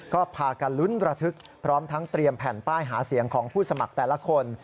ก็พากันลุ้นระทึกพร้อมทั้งเตรียมแผ่นป้ายหาเสียงของผู้สมัครแต่ละคน